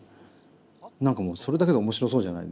何かもうそれだけで面白そうじゃないですか。